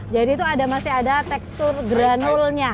jadi itu ada masih ada tekstur granulnya